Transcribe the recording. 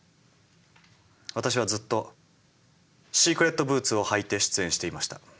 私はずっとシークレットブーツを履いて出演していました。